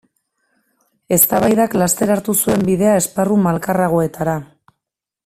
Eztabaidak laster hartu zuen bidea esparru malkarragoetara.